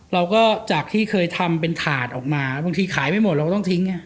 เราก็จากที่เคยทำเป็นถาดออกมาบางทีขายไม่หมดเราก็ต้องทิ้ง